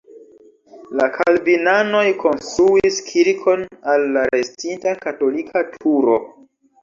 La kalvinanoj konstruis kirkon al la restinta katolika turo.